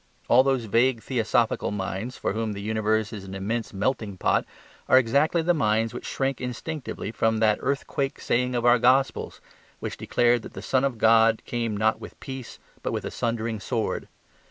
All those vague theosophical minds for whom the universe is an immense melting pot are exactly the minds which shrink instinctively from that earthquake saying of our Gospels, which declare that the Son of God came not with peace but with a sundering sword.